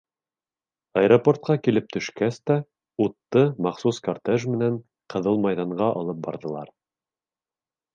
Аэропортҡа килеп төшкәс тә, утты махсус кортеж менән Ҡыҙыл майҙанға алып барҙылар.